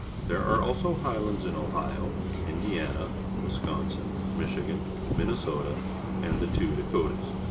There are also highlands~ln Ohio, rndiana, Wisconsin, Michigan, Minnesota, and the two Dakotas.